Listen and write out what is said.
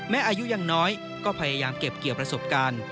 อายุยังน้อยก็พยายามเก็บเกี่ยวประสบการณ์